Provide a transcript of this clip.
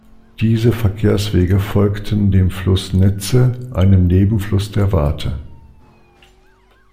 Diese Verkehrswege folgten dem Fluss Netze, einem Nebenfluss der Warthe.